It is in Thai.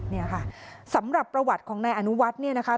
เนี่ยค่ะสำหรับประวัติของนายอนุวัฒน์เนี่ยนะคะ